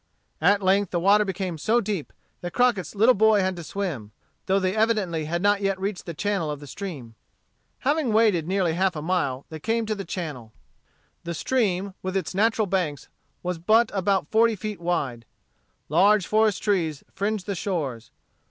At length the water became so deep that Crockett's little boy had to swim, though they evidently had not yet reached the channel of the stream. Having waded nearly half a mile, they came to the channel. The stream, within its natural banks, was but about forty feet wide. Large forest trees fringed the shores.